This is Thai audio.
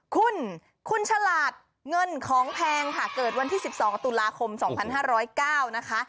คุณคุณฉลาดเงินของแพงค่ะเกิดวันที่สิบสองตุลาคมสองพันห้าร้อยเก้านะคะ